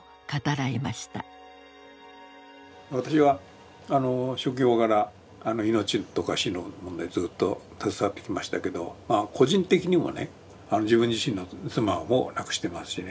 私は職業柄命とか死の問題にずっと携わってきましたけど個人的にもね自分自身の妻を亡くしてますしね。